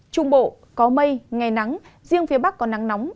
trung bộ có mây ngày nắng riêng phía bắc có nắng nóng